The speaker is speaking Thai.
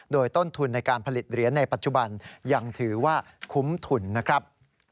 โดยต้นทุนในการผลิตเหรียญในปัจจุบันยังถือว่าคุ้มทุนนะครับ